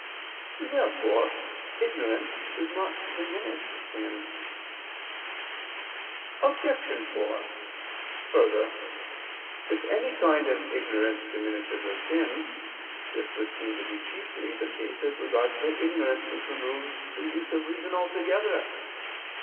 Therefore ignorance does not diminish sin. Obj. 4: Further, if any kind of ignorance diminishes a sin, this would seem to be chiefly the case as regards the ignorance which removes the use of reason altogether.